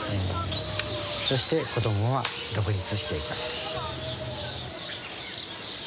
そして子供は独立していく。